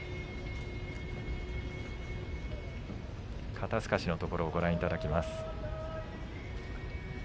肩すかしのところをご覧いただきます。